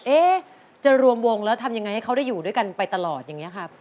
เอ๊ะจะรวมวงแล้วทำยังไงให้เขาได้อยู่ด้วยกันไปตลอดอย่างนี้ครับ